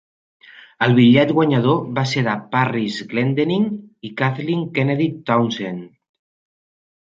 El bitllet guanyador va ser de Parris Glendening i Kathleen Kennedy Townsend.